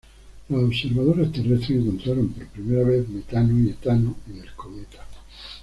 Los observadores terrestres encontraron por primera vez metano y etano en el cometa.